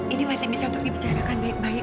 ini masih bisa untuk dibicarakan baik baik